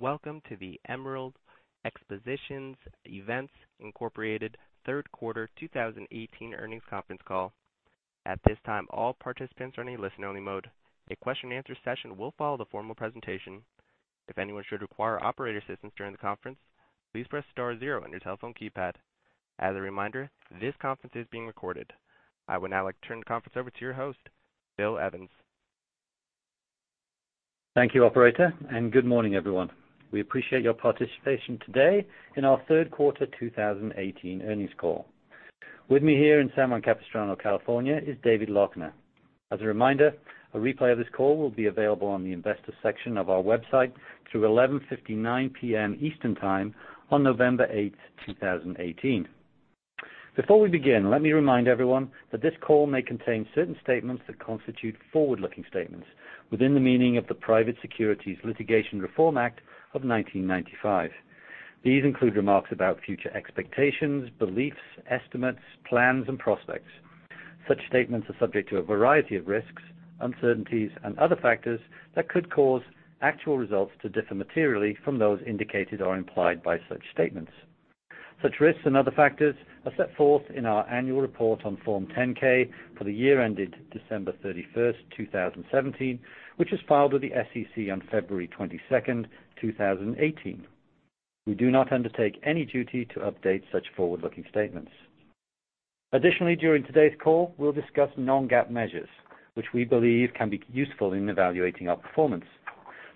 Welcome to the Emerald Expositions Events, Inc. third quarter 2018 earnings conference call. At this time, all participants are in a listen-only mode. A question-and-answer session will follow the formal presentation. If anyone should require operator assistance during the conference, please press star zero on your telephone keypad. As a reminder, this conference is being recorded. I would now like to turn the conference over to your host, Philip Evans. Thank you, operator, and good morning, everyone. We appreciate your participation today in our third quarter 2018 earnings call. With me here in San Juan Capistrano, California, is David Loechner. As a reminder, a replay of this call will be available on the Investors section of our website through 11:59 P.M. Eastern Time on November 8th, 2018. Before we begin, let me remind everyone that this call may contain certain statements that constitute forward-looking statements within the meaning of the Private Securities Litigation Reform Act of 1995. These include remarks about future expectations, beliefs, estimates, plans, and prospects. Such statements are subject to a variety of risks, uncertainties, and other factors that could cause actual results to differ materially from those indicated or implied by such statements. Such risks and other factors are set forth in our annual report on Form 10-K for the year ended December 31st, 2017, which was filed with the SEC on February 22nd, 2018. We do not undertake any duty to update such forward-looking statements. Additionally, during today's call, we'll discuss non-GAAP measures, which we believe can be useful in evaluating our performance.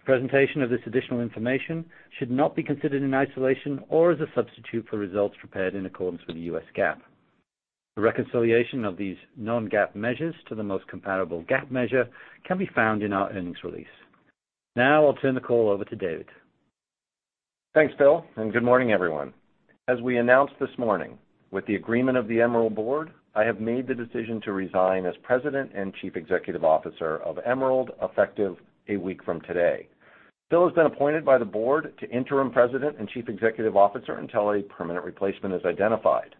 Presentation of this additional information should not be considered in isolation or as a substitute for results prepared in accordance with the U.S. GAAP. The reconciliation of these non-GAAP measures to the most comparable GAAP measure can be found in our earnings release. Now I'll turn the call over to David. Thanks, Philip, and good morning, everyone. As we announced this morning, with the agreement of the Emerald board, I have made the decision to resign as President and Chief Executive Officer of Emerald, effective a week from today. Philip has been appointed by the board to Interim President and Chief Executive Officer until a permanent replacement is identified.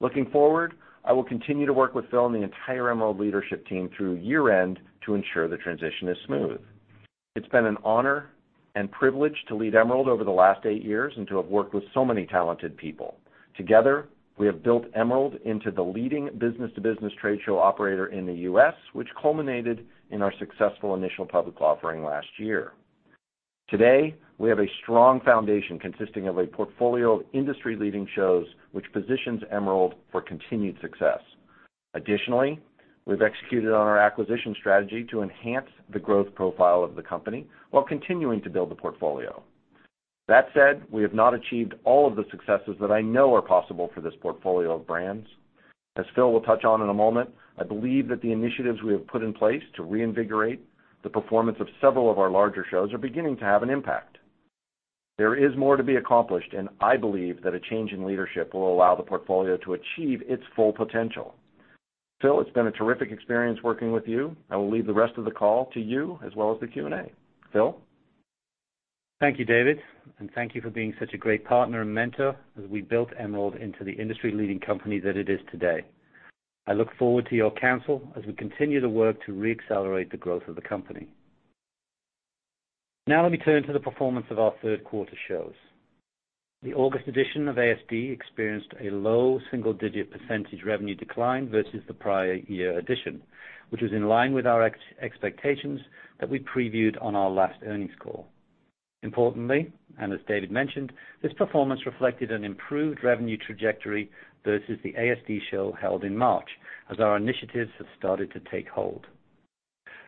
Looking forward, I will continue to work with Philip and the entire Emerald leadership team through year-end to ensure the transition is smooth. It's been an honor and privilege to lead Emerald over the last eight years and to have worked with so many talented people. Together, we have built Emerald into the leading business-to-business trade show operator in the U.S., which culminated in our successful initial public offering last year. Today, we have a strong foundation consisting of a portfolio of industry-leading shows, which positions Emerald for continued success. Additionally, we've executed on our acquisition strategy to enhance the growth profile of the company while continuing to build the portfolio. That said, we have not achieved all of the successes that I know are possible for this portfolio of brands. As Phil will touch on in a moment, I believe that the initiatives we have put in place to reinvigorate the performance of several of our larger shows are beginning to have an impact. There is more to be accomplished, and I believe that a change in leadership will allow the portfolio to achieve its full potential. Phil, it's been a terrific experience working with you. I will leave the rest of the call to you as well as the Q&A. Phil? Thank you, David, and thank you for being such a great partner and mentor as we built Emerald into the industry-leading company that it is today. I look forward to your counsel as we continue the work to re-accelerate the growth of the company. Let me turn to the performance of our third quarter shows. The August edition of ASD experienced a low single-digit percentage revenue decline versus the prior year edition, which was in line with our expectations that we previewed on our last earnings call. Importantly, as David mentioned, this performance reflected an improved revenue trajectory versus the ASD show held in March, as our initiatives have started to take hold.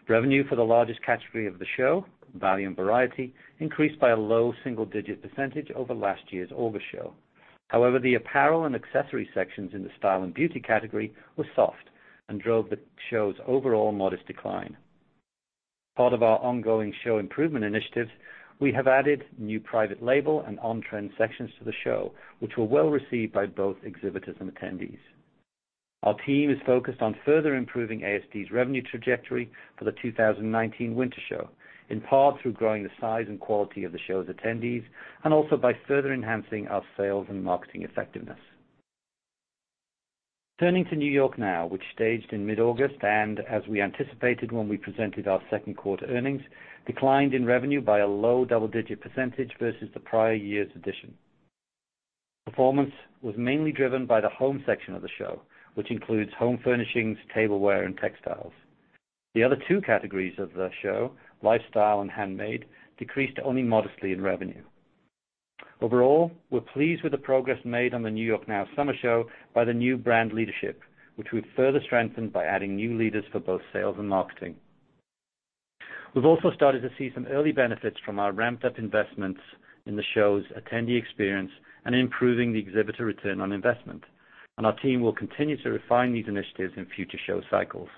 Revenue for the largest category of the show, value and variety, increased by a low single-digit percentage over last year's August show. The apparel and accessory sections in the style and beauty category were soft and drove the show's overall modest decline. As part of our ongoing show improvement initiatives, we have added new private label and on-trend sections to the show, which were well-received by both exhibitors and attendees. Our team is focused on further improving ASD's revenue trajectory for the 2019 winter show, in part through growing the size and quality of the show's attendees and also by further enhancing our sales and marketing effectiveness. Turning to NY NOW, which staged in mid-August, as we anticipated when we presented our second quarter earnings, declined in revenue by a low double-digit percentage versus the prior year's edition. Performance was mainly driven by the home section of the show, which includes home furnishings, tableware, and textiles. The other two categories of the show, lifestyle and handmade, decreased only modestly in revenue. Overall, we're pleased with the progress made on the NY NOW summer show by the new brand leadership, which we've further strengthened by adding new leaders for both sales and marketing. We've also started to see some early benefits from our ramped-up investments in the show's attendee experience and improving the exhibitor return on investment. Our team will continue to refine these initiatives in future show cycles.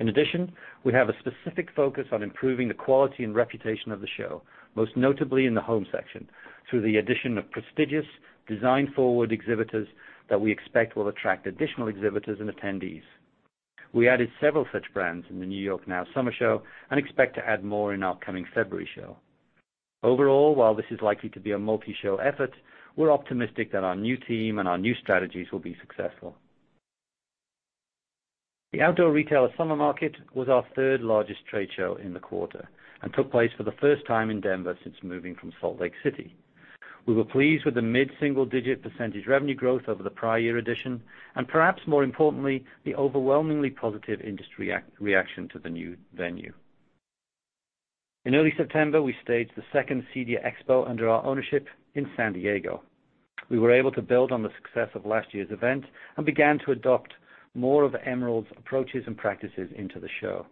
In addition, we have a specific focus on improving the quality and reputation of the show, most notably in the home section, through the addition of prestigious, design-forward exhibitors that we expect will attract additional exhibitors and attendees. We added several such brands in the NY NOW summer show and expect to add more in our coming February show. Overall, while this is likely to be a multi-show effort, we're optimistic that our new team and our new strategies will be successful. The Outdoor Retailer Summer Market was our third-largest trade show in the quarter and took place for the first time in Denver since moving from Salt Lake City. We were pleased with the mid-single-digit percentage revenue growth over the prior year edition, and perhaps more importantly, the overwhelmingly positive industry reaction to the new venue. In early September, we staged the second CEDIA Expo under our ownership in San Diego. We were able to build on the success of last year's event and began to adopt more of Emerald's approaches and practices into the show.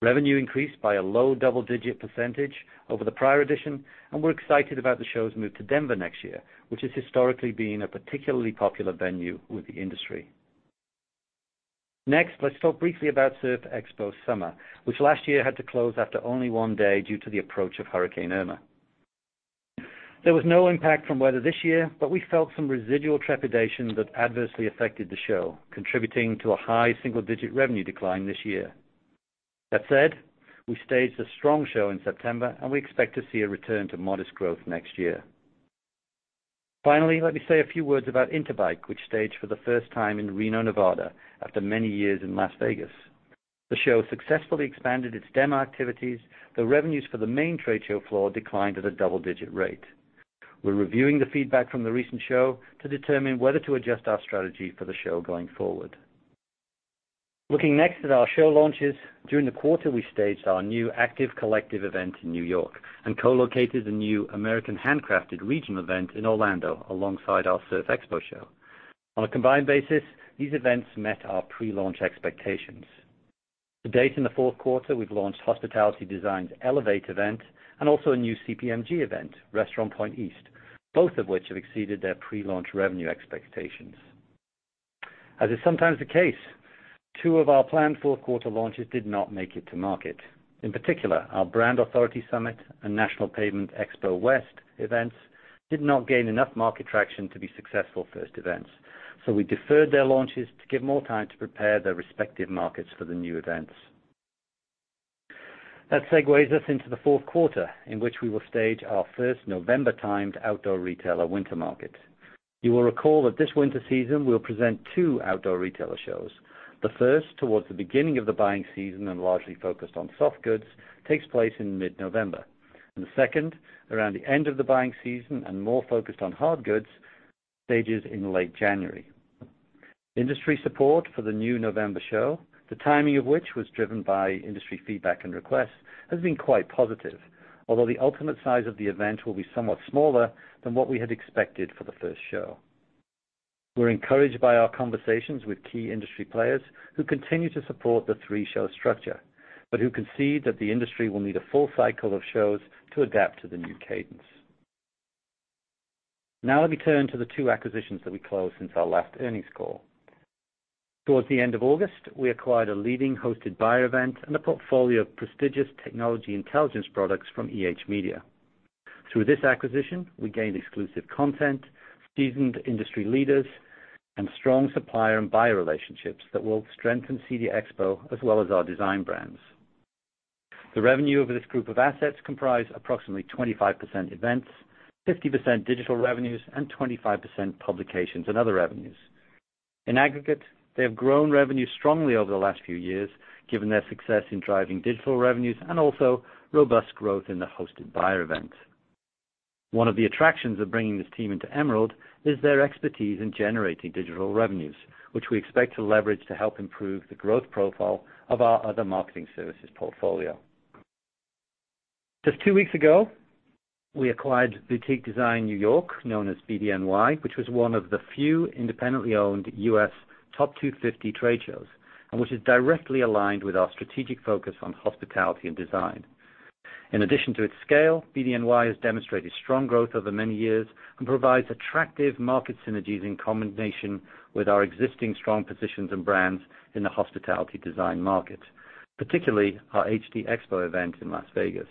Revenue increased by a low double-digit percentage over the prior edition, and we're excited about the show's move to Denver next year, which has historically been a particularly popular venue with the industry. Next, let's talk briefly about Surf Expo Summer, which last year had to close after only one day due to the approach of Hurricane Irma. There was no impact from weather this year, but we felt some residual trepidation that adversely affected the show, contributing to a high single-digit revenue decline this year. That said, we staged a strong show in September, and we expect to see a return to modest growth next year. Finally, let me say a few words about Interbike, which staged for the first time in Reno, Nevada, after many years in Las Vegas. The show successfully expanded its demo activities, though revenues for the main trade show floor declined at a double-digit rate. We're reviewing the feedback from the recent show to determine whether to adjust our strategy for the show going forward. Looking next at our show launches, during the quarter, we staged our new Active Collective event in New York and co-located the new American Handcrafted region event in Orlando alongside our Surf Expo show. On a combined basis, these events met our pre-launch expectations. To date in the fourth quarter, we've launched Hospitality Design's Elevate event and also a new CPMG event, RestaurantPoint East, both of which have exceeded their pre-launch revenue expectations. As is sometimes the case, two of our planned fourth-quarter launches did not make it to market. In particular, our Brand Authority Summit and National Pavement Expo West events did not gain enough market traction to be successful first events, so we deferred their launches to give more time to prepare their respective markets for the new events. That segues us into the fourth quarter, in which we will stage our first November-timed Outdoor Retailer winter market. You will recall that this winter season, we'll present two Outdoor Retailer shows. The first, towards the beginning of the buying season and largely focused on soft goods, takes place in mid-November. The second, around the end of the buying season and more focused on hard goods, stages in late January. Industry support for the new November show, the timing of which was driven by industry feedback and requests, has been quite positive. Although the ultimate size of the event will be somewhat smaller than what we had expected for the first show. We're encouraged by our conversations with key industry players who continue to support the three-show structure, but who concede that the industry will need a full cycle of shows to adapt to the new cadence. Let me turn to the two acquisitions that we closed since our last earnings call. Towards the end of August, we acquired a leading hosted buyer event and a portfolio of prestigious technology intelligence products from EH Media. Through this acquisition, we gained exclusive content, seasoned industry leaders, and strong supplier and buyer relationships that will strengthen CEDIA Expo as well as our design brands. The revenue of this group of assets comprise approximately 25% events, 50% digital revenues, and 25% publications and other revenues. In aggregate, they have grown revenue strongly over the last few years, given their success in driving digital revenues and also robust growth in the hosted buyer events. One of the attractions of bringing this team into Emerald is their expertise in generating digital revenues, which we expect to leverage to help improve the growth profile of our other marketing services portfolio. Just two weeks ago, we acquired Boutique Design New York, known as BDNY, which was one of the few independently owned U.S. Top 250 trade shows, and which is directly aligned with our strategic focus on hospitality and design. In addition to its scale, BDNY has demonstrated strong growth over many years and provides attractive market synergies in combination with our existing strong positions and brands in the hospitality design market, particularly our HD Expo event in Las Vegas.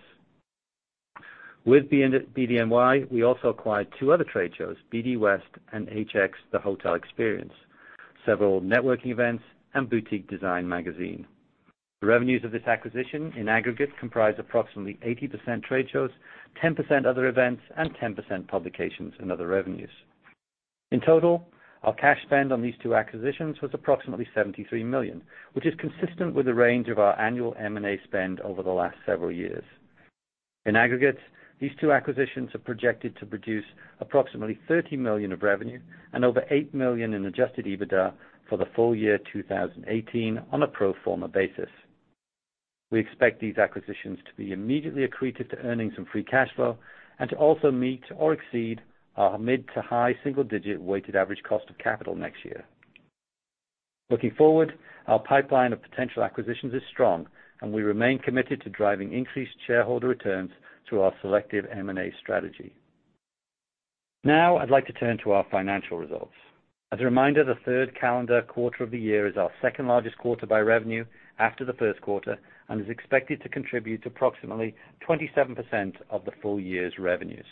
With BDNY, we also acquired two other trade shows, BDwest and HX: The Hotel Experience, several networking events, and Boutique Design Magazine. The revenues of this acquisition in aggregate comprise approximately 80% trade shows, 10% other events, and 10% publications and other revenues. In total, our cash spend on these two acquisitions was approximately $73 million, which is consistent with the range of our annual M&A spend over the last several years. In aggregate, these two acquisitions are projected to produce approximately $30 million of revenue and over $8 million in Adjusted EBITDA for the full year 2018 on a pro forma basis. We expect these acquisitions to be immediately accretive to earnings and free cash flow and to also meet or exceed our mid to high single-digit weighted average cost of capital next year. Looking forward, our pipeline of potential acquisitions is strong, and we remain committed to driving increased shareholder returns through our selective M&A strategy. I'd like to turn to our financial results. As a reminder, the third calendar quarter of the year is our second-largest quarter by revenue after the first quarter and is expected to contribute approximately 27% of the full year's revenues.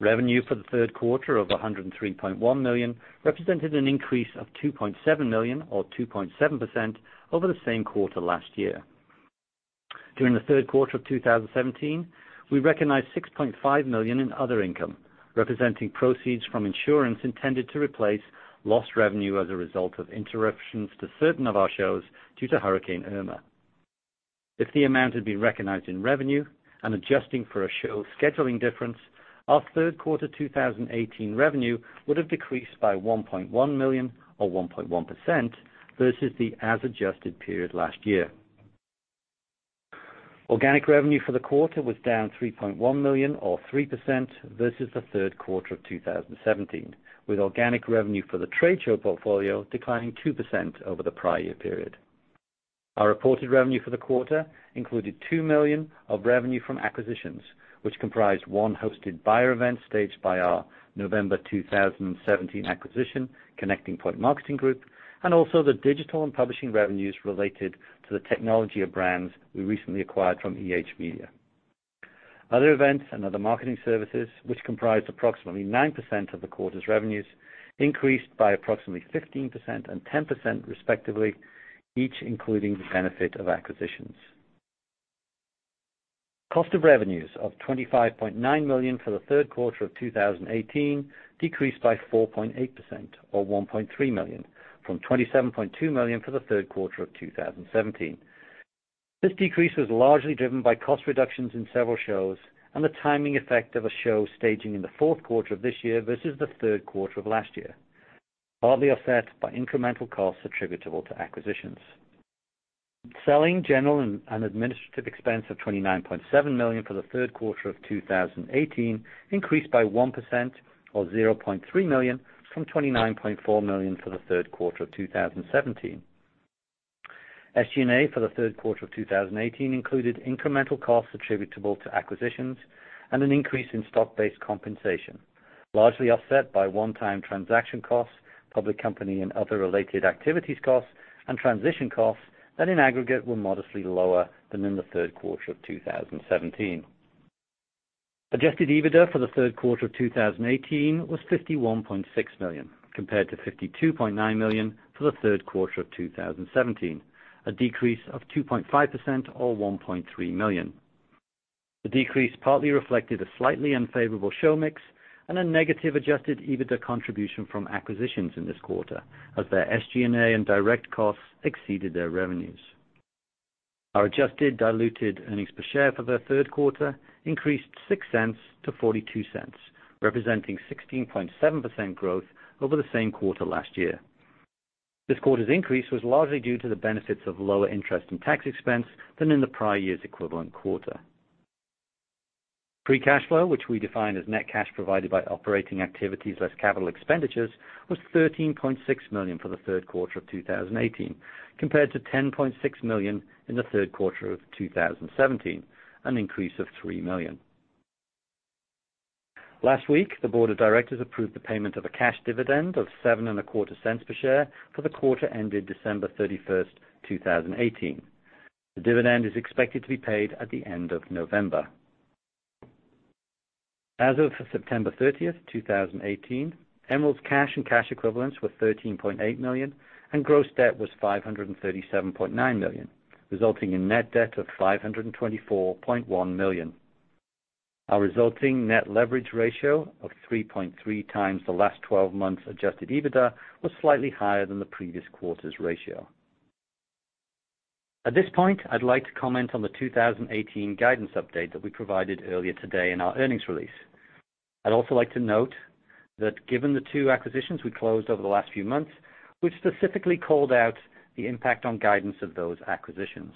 Revenue for the third quarter of $103.1 million represented an increase of $2.7 million or 2.7% over the same quarter last year. During the third quarter of 2017, we recognized $6.5 million in other income, representing proceeds from insurance intended to replace lost revenue as a result of interruptions to certain of our shows due to Hurricane Irma. If the amount had been recognized in revenue and adjusting for a show scheduling difference, our third quarter 2018 revenue would have decreased by $1.1 million or 1.1% versus the as adjusted period last year. Organic revenue for the quarter was down $3.1 million or 3% versus the third quarter of 2017, with organic revenue for the trade show portfolio declining 2% over the prior year period. Our reported revenue for the quarter included $2 million of revenue from acquisitions, which comprised one hosted buyer event staged by our November 2017 acquisition, Connecting Point Marketing Group, and also the digital and publishing revenues related to the technology brands we recently acquired from EH Media. Other events and other marketing services, which comprised approximately 9% of the quarter's revenues, increased by approximately 15% and 10% respectively, each including the benefit of acquisitions. Cost of revenues of $25.9 million for the third quarter of 2018 decreased by 4.8% or $1.3 million from $27.2 million for the third quarter of 2017. This decrease was largely driven by cost reductions in several shows and the timing effect of a show staging in the fourth quarter of this year versus the third quarter of last year, partly offset by incremental costs attributable to acquisitions. Selling, general, and administrative expense of $29.7 million for the third quarter of 2018 increased by 1% or $0.3 million from $29.4 million for the third quarter of 2017. SG&A for the third quarter of 2018 included incremental costs attributable to acquisitions and an increase in stock-based compensation, largely offset by one-time transaction costs, public company and other related activities costs, and transition costs that in aggregate were modestly lower than in the third quarter of 2017. Adjusted EBITDA for the third quarter of 2018 was $51.6 million, compared to $52.9 million for the third quarter of 2017, a decrease of 2.5% or $1.3 million. The decrease partly reflected a slightly unfavorable show mix and a negative Adjusted EBITDA contribution from acquisitions in this quarter as their SG&A and direct costs exceeded their revenues. Our adjusted diluted earnings per share for the third quarter increased $0.06 to $0.42, representing 16.7% growth over the same quarter last year. This quarter's increase was largely due to the benefits of lower interest and tax expense than in the prior year's equivalent quarter. Free cash flow, which we define as net cash provided by operating activities less capital expenditures, was $13.6 million for the third quarter of 2018, compared to $10.6 million in the third quarter of 2017, an increase of $3 million. Last week, the board of directors approved the payment of a cash dividend of $0.0725 per share for the quarter ended December 31st, 2018. The dividend is expected to be paid at the end of November. As of September 30th, 2018, Emerald's cash and cash equivalents were $13.8 million, and gross debt was $537.9 million, resulting in net debt of $524.1 million. Our resulting net leverage ratio of 3.3 times the last 12 months Adjusted EBITDA was slightly higher than the previous quarter's ratio. At this point, I'd like to comment on the 2018 guidance update that we provided earlier today in our earnings release. I'd also like to note that given the two acquisitions we closed over the last few months, we specifically called out the impact on guidance of those acquisitions.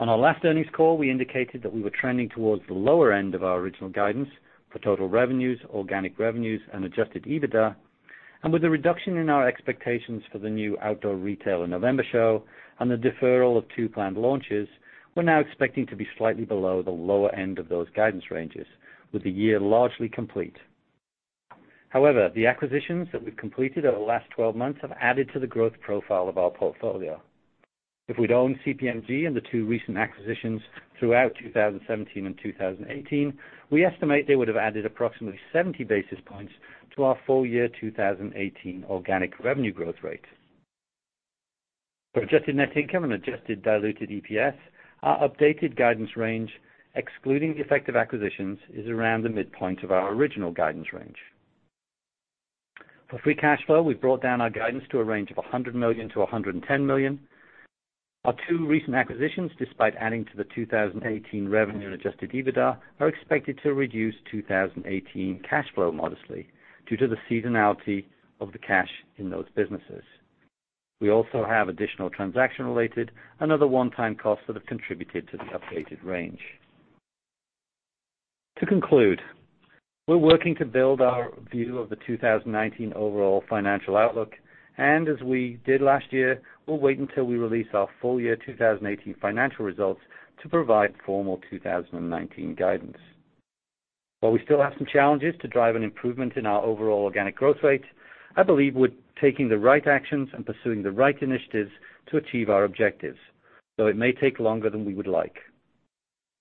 On our last earnings call, we indicated that we were trending towards the lower end of our original guidance for total revenues, organic revenues and Adjusted EBITDA. With the reduction in our expectations for the new Outdoor Retailer in November show and the deferral of two planned launches, we're now expecting to be slightly below the lower end of those guidance ranges, with the year largely complete. However, the acquisitions that we've completed over the last 12 months have added to the growth profile of our portfolio. If we'd owned CPMG and the two recent acquisitions throughout 2017 and 2018, we estimate they would have added approximately 70 basis points to our full year 2018 organic revenue growth rate. For adjusted net income and adjusted diluted EPS, our updated guidance range, excluding the effect of acquisitions, is around the midpoint of our original guidance range. For free cash flow, we've brought down our guidance to a range of $100 million-$110 million. Our two recent acquisitions, despite adding to the 2018 revenue and Adjusted EBITDA, are expected to reduce 2018 cash flow modestly due to the seasonality of the cash in those businesses. We also have additional transaction-related and other one-time costs that have contributed to the updated range. To conclude, we're working to build our view of the 2019 overall financial outlook. As we did last year, we'll wait until we release our full year 2018 financial results to provide formal 2019 guidance. While we still have some challenges to drive an improvement in our overall organic growth rate, I believe we're taking the right actions and pursuing the right initiatives to achieve our objectives, though it may take longer than we would like.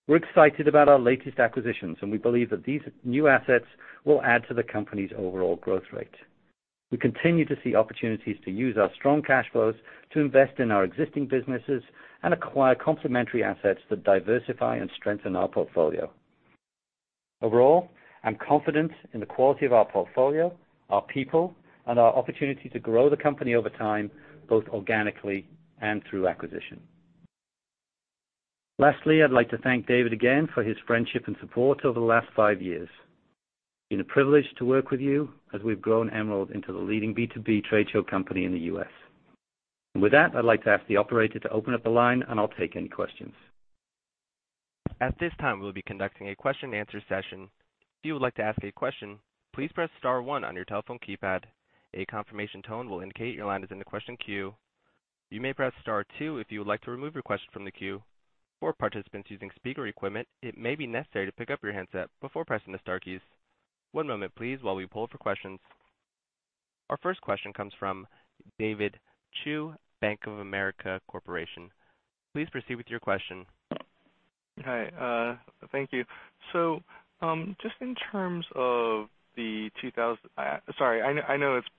We're excited about our latest acquisitions. We believe that these new assets will add to the company's overall growth rate. We continue to see opportunities to use our strong cash flows to invest in our existing businesses and acquire complementary assets that diversify and strengthen our portfolio. Overall, I'm confident in the quality of our portfolio, our people, and our opportunity to grow the company over time, both organically and through acquisition. Lastly, I'd like to thank David again for his friendship and support over the last five years. It's been a privilege to work with you as we've grown Emerald into the leading B2B trade show company in the U.S. With that, I'd like to ask the operator to open up the line, and I'll take any questions. At this time, we'll be conducting a question and answer session. If you would like to ask a question, please press star one on your telephone keypad. A confirmation tone will indicate your line is in the question queue. You may press star two if you would like to remove your question from the queue. For participants using speaker equipment, it may be necessary to pick up your handset before pressing the star keys. One moment, please, while we poll for questions. Our first question comes from David Chiu, Bank of America Corporation. Please proceed with your question. Hi. Thank you. Just in terms of Sorry, I know it's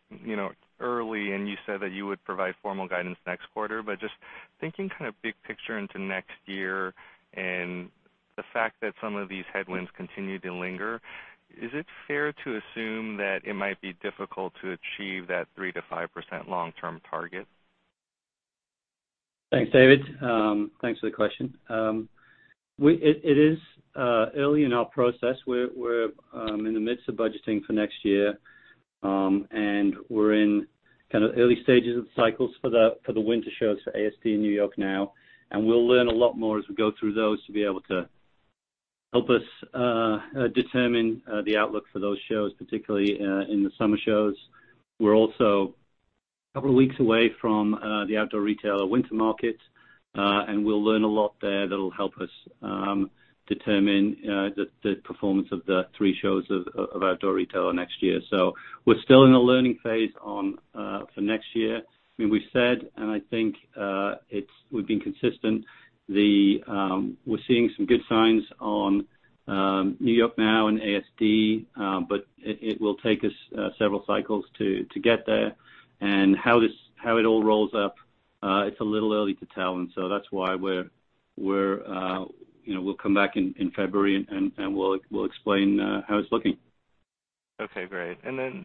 early and you said that you would provide formal guidance next quarter, but just thinking kind of big picture into next year and the fact that some of these headwinds continue to linger, is it fair to assume that it might be difficult to achieve that 3%-5% long-term target? Thanks, David. Thanks for the question. It is early in our process. We're in the midst of budgeting for next year, and we're in kind of early stages of cycles for the winter shows for ASD in NY NOW, and we'll learn a lot more as we go through those to be able to help us determine the outlook for those shows, particularly in the summer shows. We're also a couple of weeks away from the Outdoor Retailer Winter Market, and we'll learn a lot there that'll help us determine the performance of the three shows of Outdoor Retailer next year. We're still in a learning phase for next year. We've said, and I think we've been consistent, we're seeing some good signs on NY NOW and ASD. It will take us several cycles to get there. How it all rolls up, it's a little early to tell. That's why we'll come back in February, and we'll explain how it's looking. Okay, great.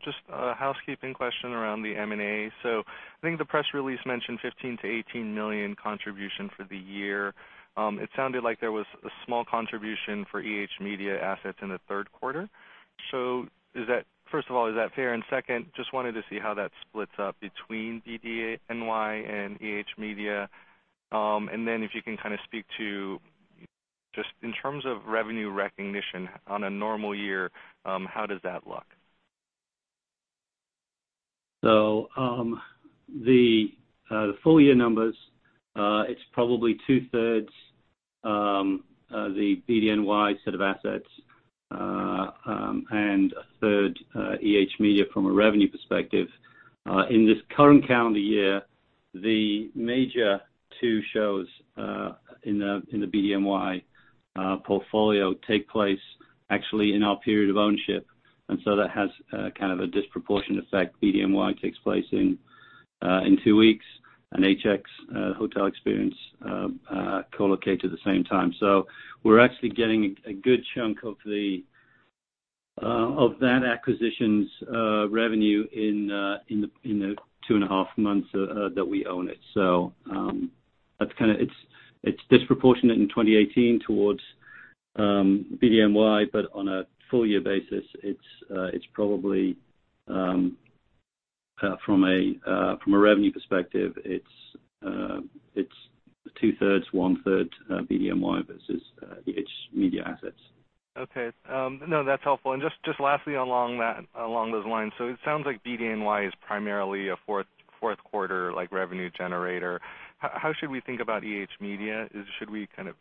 Just a housekeeping question around the M&A. I think the press release mentioned $15 million-$18 million contribution for the year. It sounded like there was a small contribution for EH Media assets in the third quarter. First of all, is that fair? Second, just wanted to see how that splits up between BDNY and EH Media. If you can kind of speak to just in terms of revenue recognition on a normal year, how does that look? The full year numbers, it's probably two-thirds the BDNY set of assets, and a third EH Media from a revenue perspective. In this current calendar year, the major two shows in the BDNY portfolio take place actually in our period of ownership, that has kind of a disproportionate effect. BDNY takes place in two weeks, HX, Hotel Experience, co-locate at the same time. We're actually getting a good chunk of that acquisition's revenue in the two and a half months that we own it. It's disproportionate in 2018 towards BDNY, but on a full year basis, it's probably, from a revenue perspective, it's two-thirds, one-third BDNY versus EH Media assets. Okay. No, that's helpful. Just lastly along those lines, it sounds like BDNY is primarily a fourth quarter revenue generator. How should we think about EH Media? Should we kind of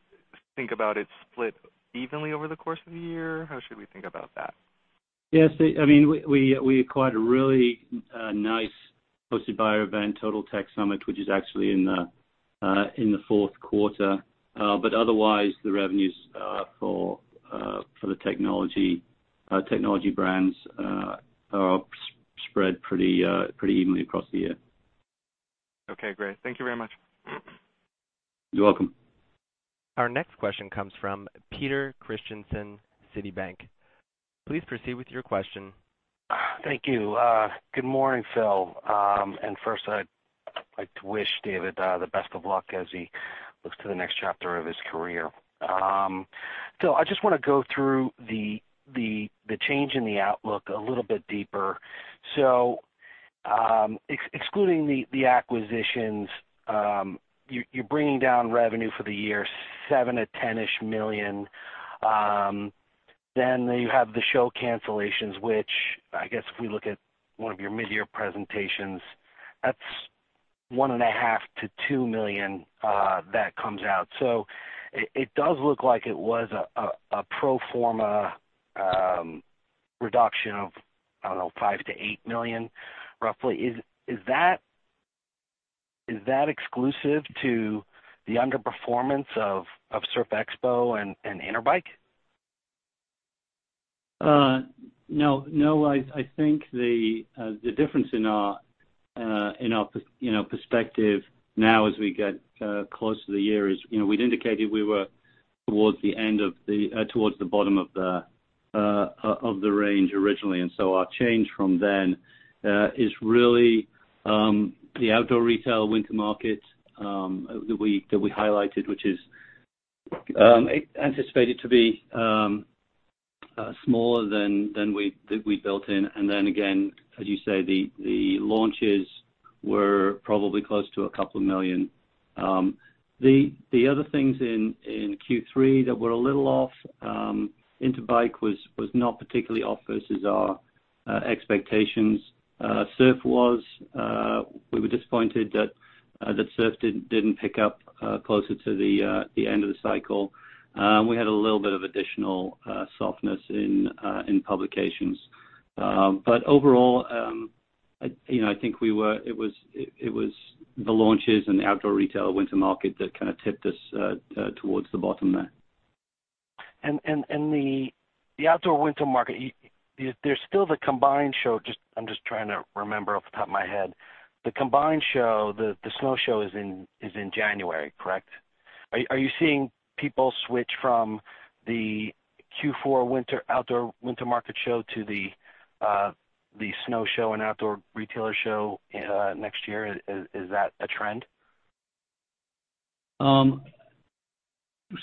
think about it split evenly over the course of the year? How should we think about that? Yes. We acquired a really nice hosted buyer event, Total Tech Summit, which is actually in the fourth quarter. Otherwise, the revenues for the technology brands are spread pretty evenly across the year. Okay, great. Thank you very much. You are welcome. Our next question comes from Peter Christensen, Citigroup. Please proceed with your question. Thank you. Good morning, Phil. First I would like to wish David the best of luck as he looks to the next chapter of his career. Phil, I just want to go through the change in the outlook a little bit deeper. Excluding the acquisitions, you are bringing down revenue for the year $7 million-$10-ish million. You have the show cancellations, which I guess if we look at one of your mid-year presentations, that is $1.5 million-$2 million that comes out. It does look like it was a pro forma reduction of, I don't know, $5 million-$8 million roughly. Is that exclusive to the underperformance of Surf Expo and Interbike? No. I think the difference in our perspective now as we get close to the year is, we had indicated we were towards the bottom of the range originally. Our change from then is really the Outdoor Retailer Winter Market that we highlighted, which is anticipated to be smaller than we built in. Then again, as you say, the launches were probably close to two million. The other things in Q3 that were a little off, Interbike was not particularly off versus our expectations. Surf was. We were disappointed that Surf didn't pick up closer to the end of the cycle. We had a little bit of additional softness in publications. Overall, I think it was the launches and the Outdoor Retailer Winter Market that kind of tipped us towards the bottom there. The Outdoor Winter Market, there's still the combined show. I'm just trying to remember off the top of my head. The combined show, the Snow Show, is in January, correct? Are you seeing people switch from the Q4 Outdoor Winter Market Show to the Snow Show and Outdoor Retailer Show next year? Is that a trend?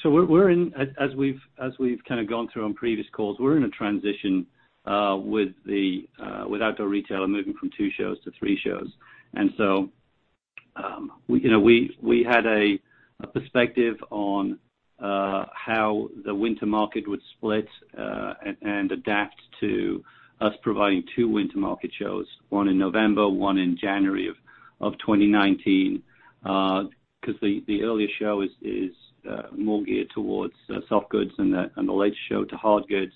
We're in, as we've kind of gone through on previous calls, we're in a transition with Outdoor Retailer moving from two shows to three shows. We had a perspective on how the winter market would split, and adapt to us providing two winter market shows, one in November, one in January of 2019. The earlier show is more geared towards the soft goods and the later show to hard goods.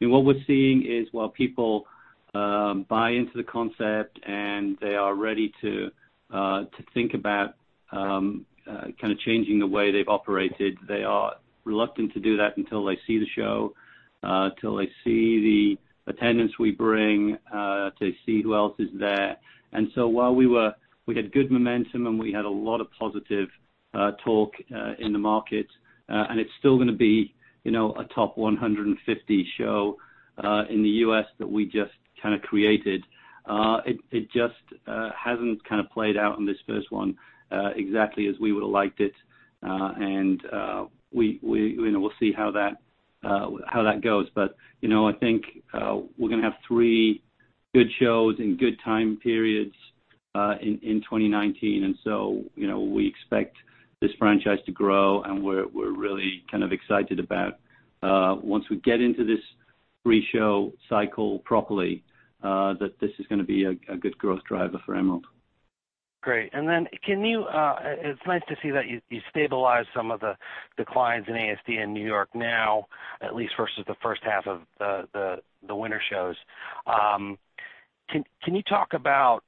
What we're seeing is, while people buy into the concept and they are ready to think about changing the way they've operated, they are reluctant to do that until they see the show, till they see the attendance we bring, to see who else is there. While we had good momentum and we had a lot of positive talk in the market, it's still going to be a top 150 show in the U.S. that we just kind of created. It just hasn't played out in this first one exactly as we would've liked it. We'll see how that goes. I think we're going to have three good shows in good time periods, in 2019. We expect this franchise to grow, and we're really kind of excited about, once we get into this reshow cycle properly, that this is going to be a good growth driver for Emerald. Great. It's nice to see that you stabilized some of the declines in ASD in NY NOW, at least versus the first half of the winter shows. Can you talk about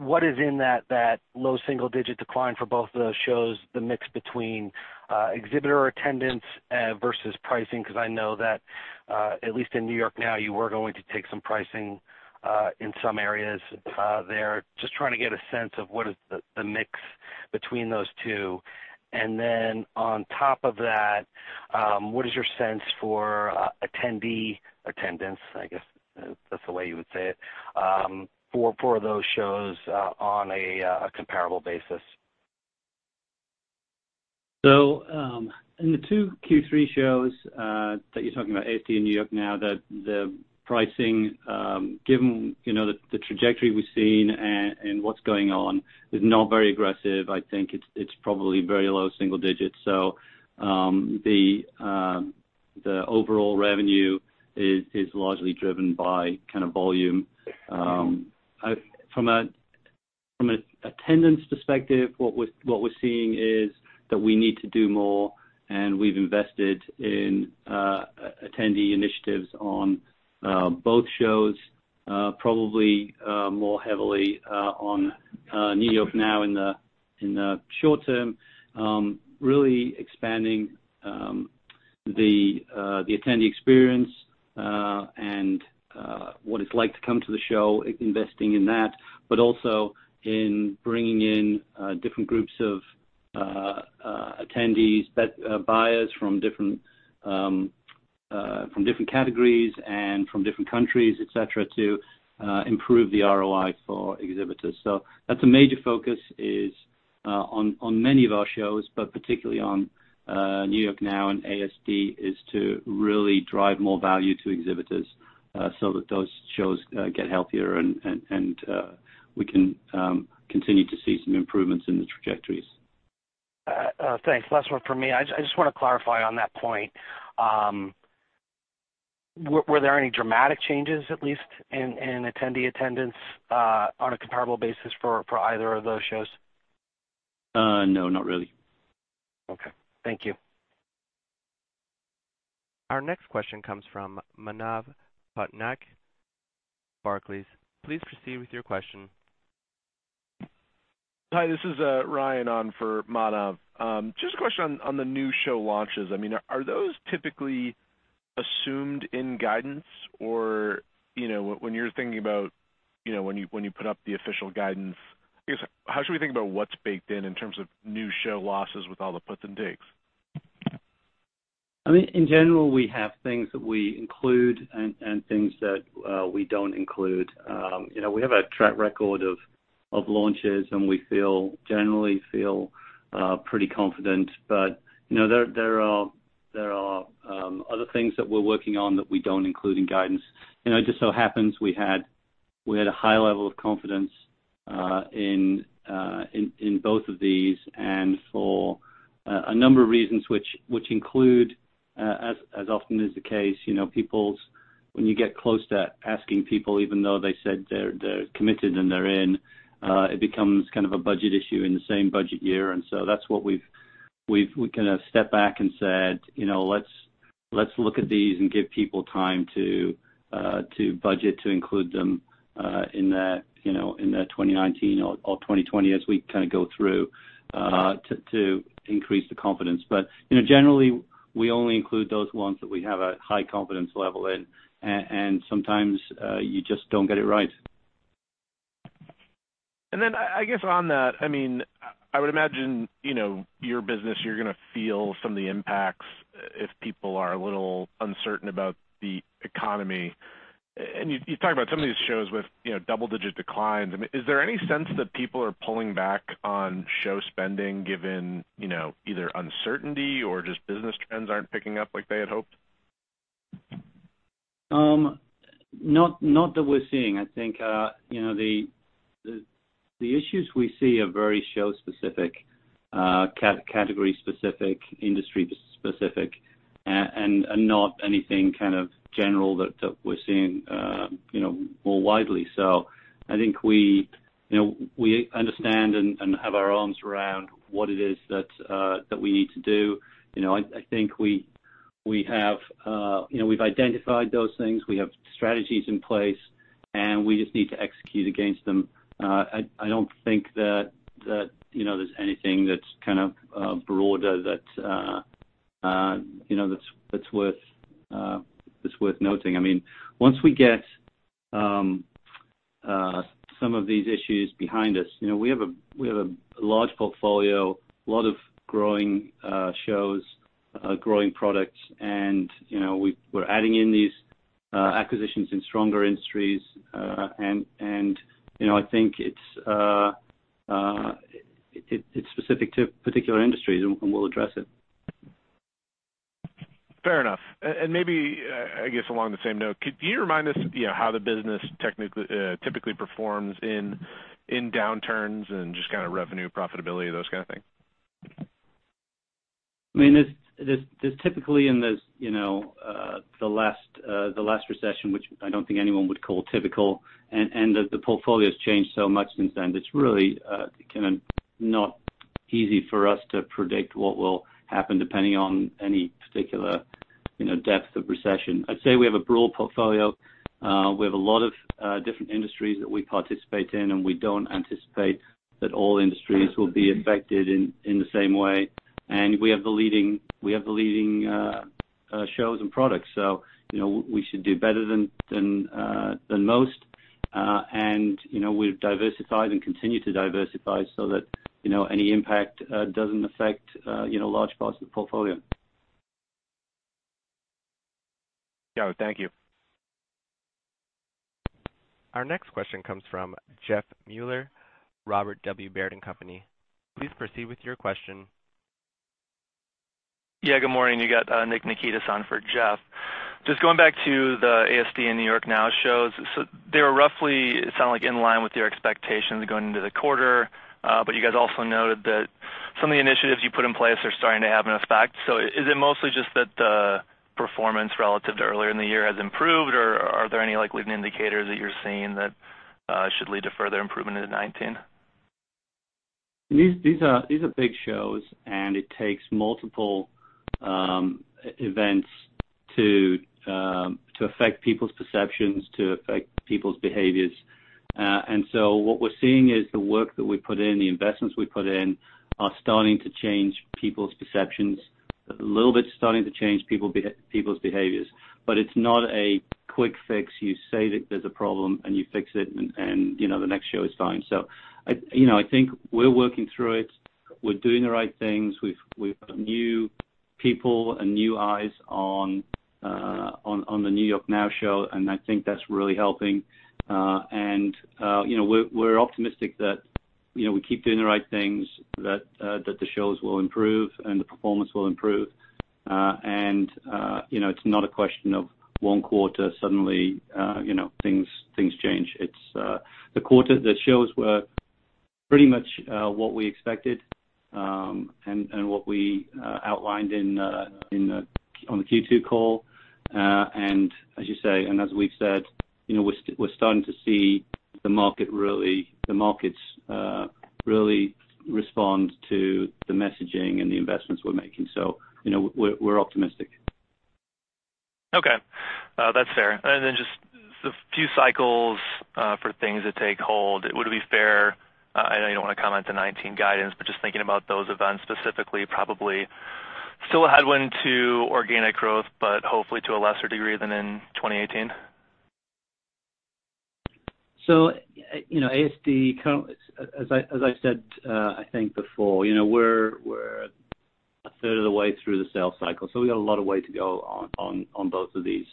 what is in that low single-digit decline for both of those shows, the mix between exhibitor attendance versus pricing? I know that, at least in NY NOW, you were going to take some pricing in some areas there. Just trying to get a sense of what is the mix between those two. Then on top of that, what is your sense for attendee attendance, I guess that's the way you would say it, for those shows on a comparable basis? In the two Q3 shows that you're talking about, ASD in NY NOW, the pricing, given the trajectory we've seen and what's going on, is not very aggressive. I think it's probably very low single digits. The overall revenue is largely driven by volume. From an attendance perspective, what we're seeing is that we need to do more, and we've invested in attendee initiatives on both shows. Probably more heavily on NY NOW in the short term. Really expanding the attendee experience, and what it's like to come to the show, investing in that. But also in bringing in different groups of attendees, buyers from different categories and from different countries, et cetera, to improve the ROI for exhibitors. That's a major focus, is on many of our shows, but particularly on NY NOW and ASD, is to really drive more value to exhibitors, so that those shows get healthier and we can continue to see some improvements in the trajectories. Thanks. Last one from me. I just want to clarify on that point. Were there any dramatic changes, at least, in attendee attendance, on a comparable basis for either of those shows? No, not really. Okay. Thank you. Our next question comes from Manav Patnaik, Barclays. Please proceed with your question. Hi, this is Ryan on for Manav. A question on the new show launches. Are those typically assumed in guidance? Or when you're thinking about when you put up the official guidance, I guess, how should we think about what's baked in terms of new show launches with all the puts and takes? In general, we have things that we include and things that we don't include. We have a track record of launches, and we generally feel pretty confident. There are other things that we're working on that we don't include in guidance. It just so happens we had a high level of confidence in both of these, and for a number of reasons, which include, as often is the case, when you get close to asking people, even though they said they're committed and they're in, it becomes kind of a budget issue in the same budget year. That's what we've kind of stepped back and said, "Let's look at these and give people time to budget to include them in the 2019 or 2020 as we go through to increase the confidence." Generally, we only include those ones that we have a high confidence level in, and sometimes you just don't get it right. I guess on that, I would imagine your business, you're going to feel some of the impacts if people are a little uncertain about the economy. You talk about some of these shows with double-digit declines. Is there any sense that people are pulling back on show spending given either uncertainty or just business trends aren't picking up like they had hoped? Not that we're seeing. I think the issues we see are very show specific, category specific, industry specific, and not anything kind of general that we're seeing more widely. I think we understand and have our arms around what it is that we need to do. I think we've identified those things. We have strategies in place, and we just need to execute against them. I don't think that there's anything that's kind of broader that's worth noting. Once we get some of these issues behind us, we have a large portfolio, a lot of growing shows, growing products, and we're adding in these acquisitions in stronger industries. I think it's specific to particular industries, and we'll address it. Fair enough. Maybe, I guess along the same note, could you remind us how the business typically performs in downturns, and just kind of revenue profitability, those kind of things? There's typically in the last recession, which I don't think anyone would call typical. The portfolio's changed so much since then. It's really kind of not easy for us to predict what will happen depending on any particular depth of recession. I'd say we have a broad portfolio. We have a lot of different industries that we participate in, and we don't anticipate that all industries will be affected in the same way. We have the leading shows and products, so we should do better than most. We've diversified and continue to diversify so that any impact doesn't affect large parts of the portfolio. Thank you. Our next question comes from Jeff Meuler, Robert W. Baird & Co.. Please proceed with your question. Yeah. Good morning. You got Nick Nikitas on for Jeff. Just going back to the ASD and NY NOW shows. They were roughly, it sounded like, in line with your expectations going into the quarter. You guys also noted that some of the initiatives you put in place are starting to have an effect. Is it mostly just that the performance relative to earlier in the year has improved, or are there any leading indicators that you're seeing that should lead to further improvement into 2019? These are big shows, and it takes multiple events to affect people's perceptions, to affect people's behaviors. What we're seeing is the work that we put in, the investments we put in, are starting to change people's perceptions. A little bit's starting to change people's behaviors. It's not a quick fix. You say that there's a problem, and you fix it, and the next show is fine. I think we're working through it. We're doing the right things. We've got new people and new eyes on the NY NOW show, I think that's really helping. We're optimistic that we keep doing the right things, that the shows will improve, the performance will improve. It's not a question of one quarter suddenly things change. The shows were pretty much what we expected, and what we outlined on the Q2 call. As you say, as we've said, we're starting to see the markets really respond to the messaging and the investments we're making. We're optimistic. Okay. That's fair. Just the few cycles for things to take hold, would it be fair, I know you don't want to comment the 2019 guidance, but just thinking about those events specifically, probably still a headwind to organic growth, but hopefully to a lesser degree than in 2018? ASD, as I said, I think before, we're a third of the way through the sales cycle. We got a lot of way to go on both of these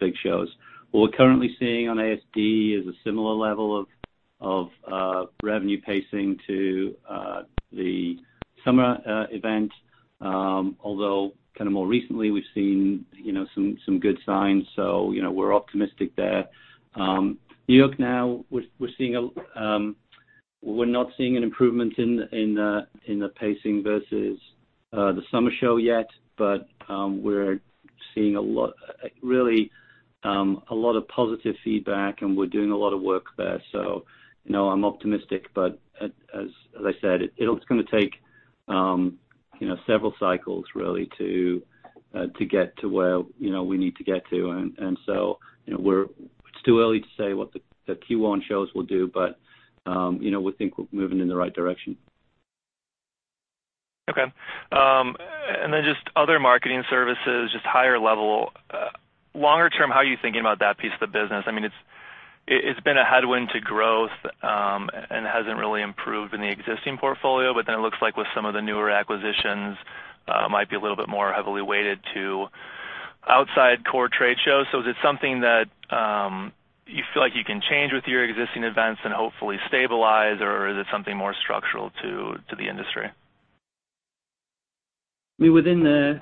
big shows. What we're currently seeing on ASD is a similar level of revenue pacing to the summer event. Although, more recently, we've seen some good signs, we're optimistic there. New York NOW, we're not seeing an improvement in the pacing versus the summer show yet, but we're seeing really a lot of positive feedback, we're doing a lot of work there. I'm optimistic, but as I said, it's going to take several cycles really to get to where we need to get to. It's too early to say what the Q1 shows will do, but we think we're moving in the right direction. Okay. Just other marketing services, just higher level, longer term, how are you thinking about that piece of the business? It's been a headwind to growth, and hasn't really improved in the existing portfolio, but then it looks like with some of the newer acquisitions, might be a little bit more heavily weighted to outside core trade shows. Is it something that you feel like you can change with your existing events and hopefully stabilize, or is it something more structural to the industry? Within the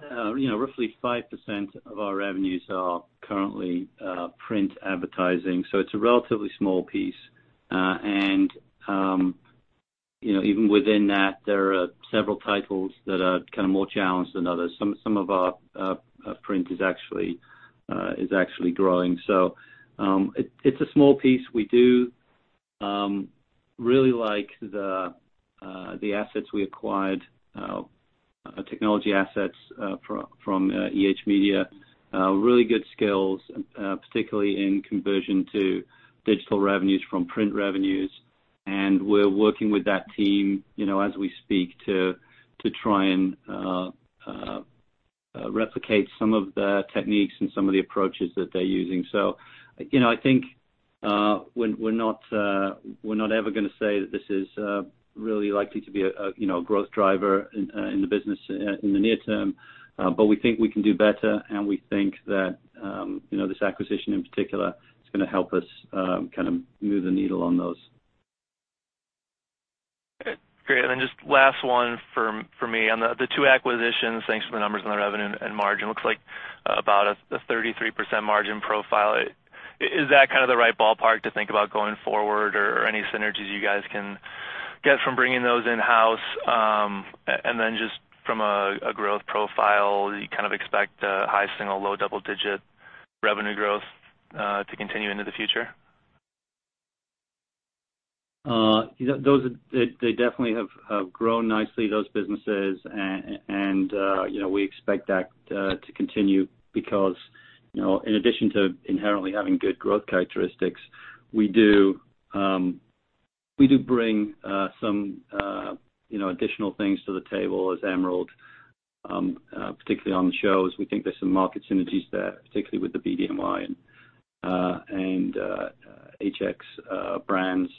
roughly 5% of our revenues are currently print advertising, it's a relatively small piece. Even within that, there are several titles that are more challenged than others. Some of our print is actually growing. It's a small piece. We do really like the assets we acquired, technology assets from EH Media. Really good skills, particularly in conversion to digital revenues from print revenues. We're working with that team, as we speak, to try and replicate some of the techniques and some of the approaches that they're using. I think we're not ever going to say that this is really likely to be a growth driver in the business in the near term. We think we can do better, and we think that this acquisition in particular is going to help us move the needle on those. Okay, great. Just last one from me. On the two acquisitions, thanks for the numbers on the revenue and margin. Looks like about a 33% margin profile. Is that the right ballpark to think about going forward or any synergies you guys can get from bringing those in-house? Just from a growth profile, you expect high single, low double-digit revenue growth to continue into the future? They definitely have grown nicely, those businesses. We expect that to continue because, in addition to inherently having good growth characteristics, we do bring some additional things to the table as Emerald, particularly on the shows. We think there's some market synergies there, particularly with the BDNY and HX brands.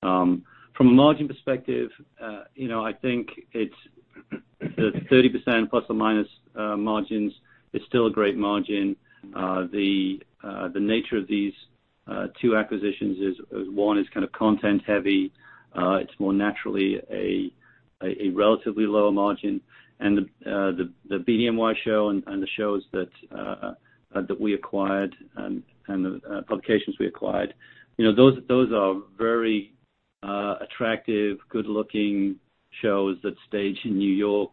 From a margin perspective, I think it's the 30% plus or minus margins is still a great margin. The nature of these two acquisitions is, one is content heavy. It's more naturally a relatively lower margin. The BDNY show and the shows that we acquired, and the publications we acquired, those are very attractive, good-looking shows that stage in New York,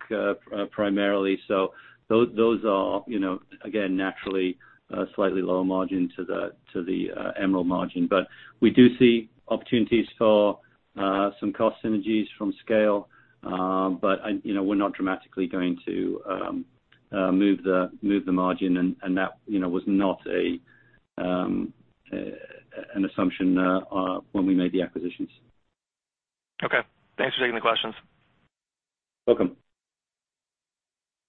primarily. Those are, again, naturally slightly lower margin to the Emerald margin. We do see opportunities for some cost synergies from scale. We're not dramatically going to move the margin, and that was not an assumption when we made the acquisitions. Okay. Thanks for taking the questions. Welcome.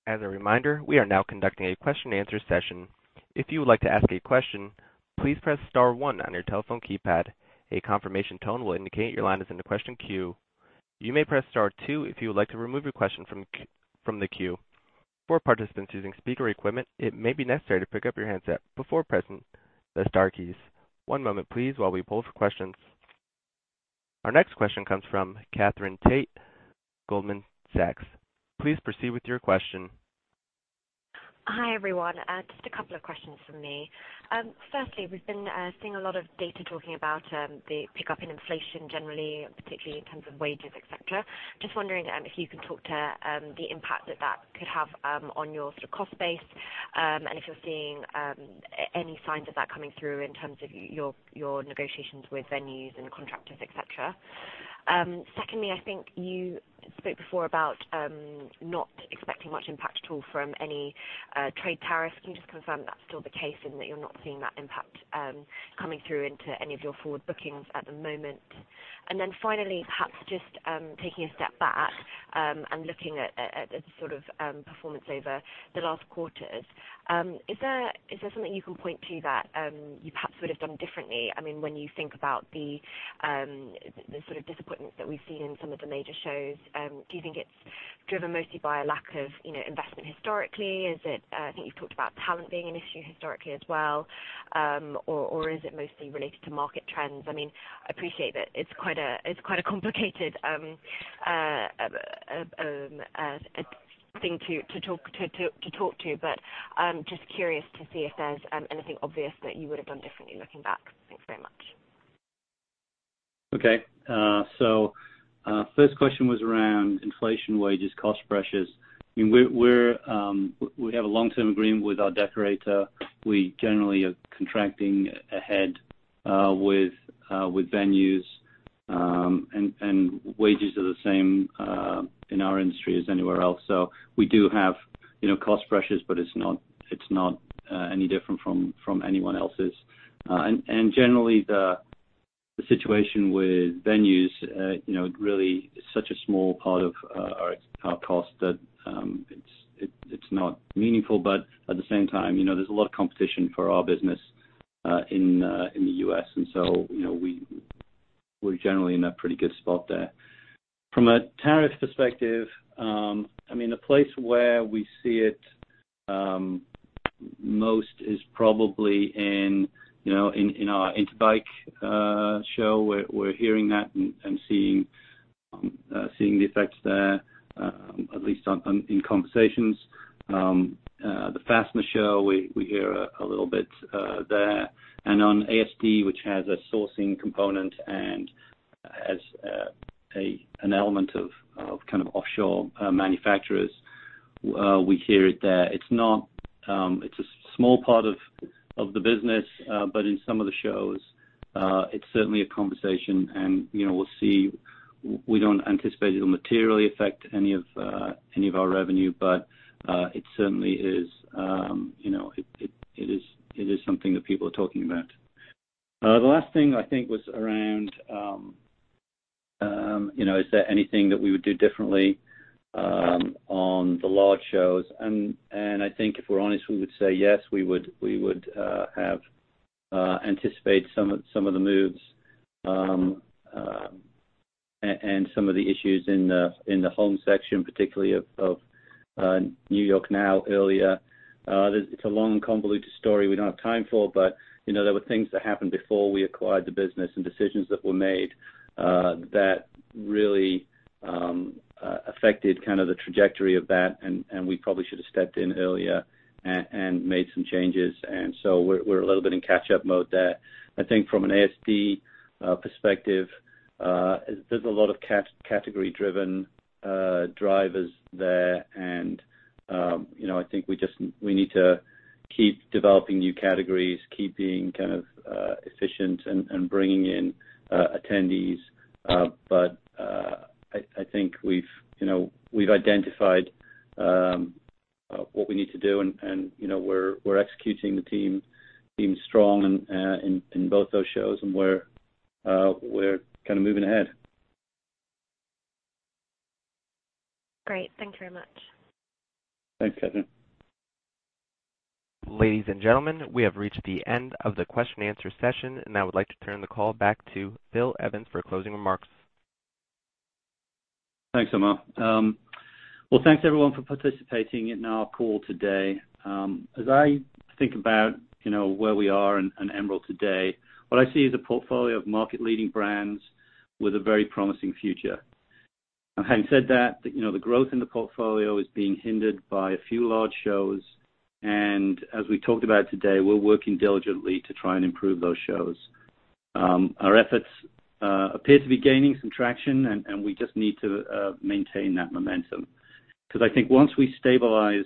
As a reminder, we are now conducting a question and answer session. If you would like to ask a question, please press *1 on your telephone keypad. A confirmation tone will indicate your line is in the question queue. You may press *2 if you would like to remove your question from the queue. For participants using speaker equipment, it may be necessary to pick up your handset before pressing the star keys. One moment please while we poll for questions. Our next question comes from Katherine Tait, Goldman Sachs. Please proceed with your question. Hi, everyone. Just a couple of questions from me. Firstly, we've been seeing a lot of data talking about the pickup in inflation generally, particularly in terms of wages, et cetera. Just wondering if you can talk to the impact that that could have on your cost base, and if you're seeing any signs of that coming through in terms of your negotiations with venues and contractors, et cetera. Secondly, I think you spoke before about not expecting much impact at all from any trade tariffs. Can you just confirm that's still the case and that you're not seeing that impact coming through into any of your forward bookings at the moment? Finally, perhaps just taking a step back and looking at the performance over the last quarters. Is there something you can point to that you perhaps would have done differently? When you think about the sort of disappointment that we've seen in some of the major shows, do you think it's driven mostly by a lack of investment historically? I think you've talked about talent being an issue historically as well. Or is it mostly related to market trends? I appreciate that it's quite a complicated thing to talk to, but I'm just curious to see if there's anything obvious that you would have done differently looking back. Thanks very much. Okay. First question was around inflation wages, cost pressures. We have a long-term agreement with our decorator. We generally are contracting ahead with venues, wages are the same in our industry as anywhere else. We do have cost pressures, but it's not any different from anyone else's. Generally, the situation with venues, really is such a small part of our cost that it's not meaningful. At the same time, there's a lot of competition for our business in the U.S., we're generally in a pretty good spot there. From a tariff perspective, the place where we see it most is probably in our Interbike. We're hearing that and seeing the effects there, at least in conversations. The Fastener Show we hear a little bit there. On ASD, which has a sourcing component and has an element of kind of offshore manufacturers, we hear it there. It's a small part of the business, but in some of the shows, it's certainly a conversation, we'll see. We don't anticipate it'll materially affect any of our revenue, but it certainly is something that people are talking about. The last thing I think was around, is there anything that we would do differently on the large shows? I think if we're honest, we would say yes, we would have anticipated some of the moves and some of the issues in the home section, particularly of New York NOW earlier. It's a long, convoluted story we don't have time for, there were things that happened before we acquired the business and decisions that were made that really affected kind of the trajectory of that, we probably should have stepped in earlier and made some changes. We're a little bit in catch-up mode there. I think from an ASD perspective, there's a lot of category-driven drivers there, I think we need to keep developing new categories, keep being kind of efficient and bringing in attendees. I think we've identified what we need to do, we're executing. The team seems strong in both those shows, we're kind of moving ahead. Great. Thank you very much. Thanks, Katherine. Ladies and gentlemen, we have reached the end of the question and answer session, and I would like to turn the call back to Philip Evans for closing remarks. Thanks, Amar. Well, thanks everyone for participating in our call today. As I think about where we are and Emerald today, what I see is a portfolio of market-leading brands with a very promising future. Having said that, the growth in the portfolio is being hindered by a few large shows, and as we talked about today, we're working diligently to try and improve those shows. Our efforts appear to be gaining some traction, and we just need to maintain that momentum. I think once we stabilize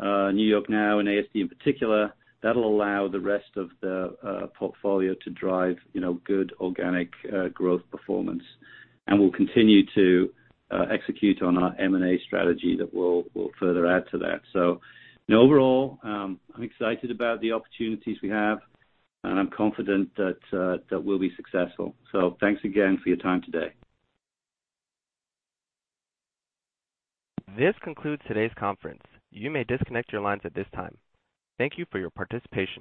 NY NOW and ASD in particular, that'll allow the rest of the portfolio to drive good organic growth performance. We'll continue to execute on our M&A strategy that will further add to that. Overall, I'm excited about the opportunities we have, and I'm confident that we'll be successful. Thanks again for your time today. This concludes today's conference. You may disconnect your lines at this time. Thank you for your participation.